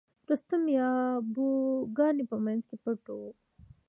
رستم د یابو ګانو په منځ کې پټ و.